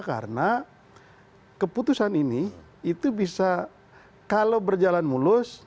karena keputusan ini itu bisa kalau berjalan mulus